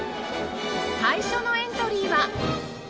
最初のエントリーは